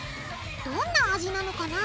どんな味なのかな？